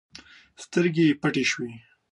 سترګې يې پټې شوې.